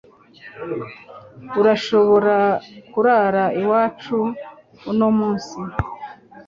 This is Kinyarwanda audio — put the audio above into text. Urashobora kurara iwacu uno munsi.